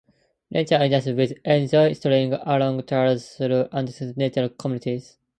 Nature enthusiasts will enjoy strolling along trails through undisturbed natural communities.